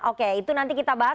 oke itu nanti kita bahas